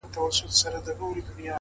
o پر تندي يې شنه خالونه زما بدن خوري ـ